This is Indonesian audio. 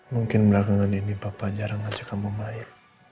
mungkin pertengahan ini papa jarang ajak kamu main